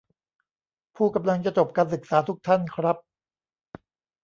"ผู้กำลังจะจบการศึกษาทุกท่านครับ "